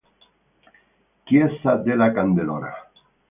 Chiesa della Candelora